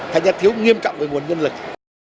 thật ra thiếu nghiêm trọng về nguồn nhân lực